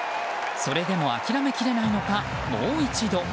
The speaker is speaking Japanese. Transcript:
それでも諦めきれないのかもう一度。